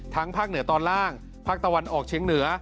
ภาคเหนือตอนล่างภาคตะวันออกเชียงเหนือ